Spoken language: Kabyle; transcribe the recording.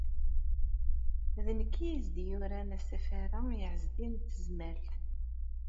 D nekk ay as-d-yuran asafar-a i Ɛezdin n Tezmalt.